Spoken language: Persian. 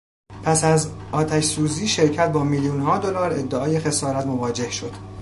پس از آتش سوزی شرکت با میلیونها دلار ادعای خسارت مواجه شد.